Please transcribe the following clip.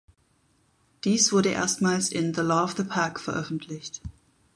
Dies wurde erstmals in „The Law of the Pack“ veröffentlicht.